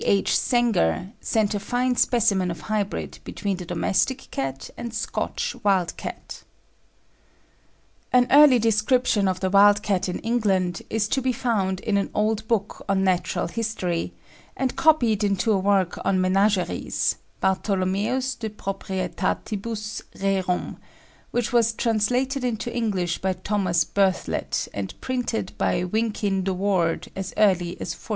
H. Senger sent a fine specimen of hybrid, between the domestic cat and Scotch wild cat. An early description of the wild cat in England is to be found in an old book on Natural History, and copied into a work on "Menageries," "Bartholomoeus de Proprietatibus Rerum," which was translated into English by Thomas Berthlet, and printed by Wynkyn de Worde as early as 1498.